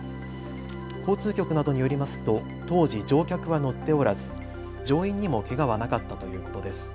交通局などによりますと当時、乗客は乗っておらず乗員にもけがはなかったということです。